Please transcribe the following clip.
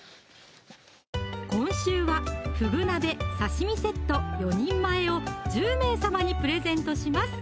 今週はふぐ鍋・刺身セット４人前を１０名様にプレゼントします